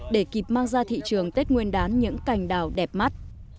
để kịp mang ra thị trường tết nguyên đán những cành đào đẹp mắt